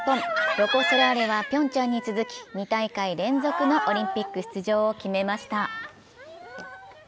ロコ・ソラーレはピョンチャンに続き２大会連続のオリンピック出場を決めました。